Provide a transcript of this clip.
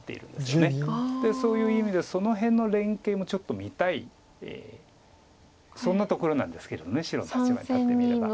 そういう意味でその辺の連係もちょっと見たいそんなところなんですけれども白の立場に立ってみれば。